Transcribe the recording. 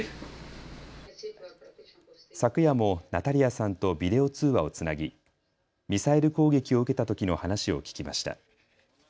昨夜もナタリヤさんとビデオ通話をつなぎミサイル攻撃を受けたときの話を聞きました。